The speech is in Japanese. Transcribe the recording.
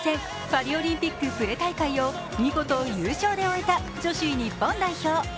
パリオリンピックプレ大会を見事優勝で終えた女子日本代表。